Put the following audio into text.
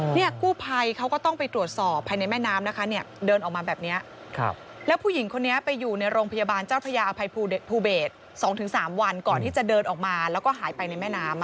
เนี่ยกู้ภัยเขาก็ต้องไปตรวจสอบภายในแม่น้ำนะคะเนี่ยเดินออกมาแบบนี้แล้วผู้หญิงคนนี้ไปอยู่ในโรงพยาบาลเจ้าพระยาอภัยภูเบศ๒๓วันก่อนที่จะเดินออกมาแล้วก็หายไปในแม่น้ำ